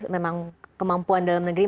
memang kemampuan dalam negeri